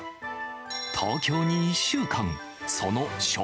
東京に１週間。